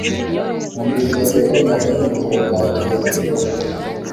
Wumvise ibyo Tom yavuze mwijoro ryakeye, sibyo?